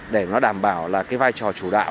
để nó đảm bảo là cái vai trò chủ đại